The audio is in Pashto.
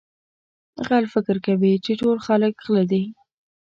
غل فکر کوي چې ټول خلک غله دي.